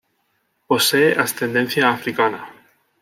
Posee ascendencia africana.